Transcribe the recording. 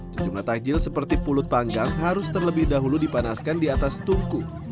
sejumlah takjil seperti pulut panggang harus terlebih dahulu dipanaskan di atas tungku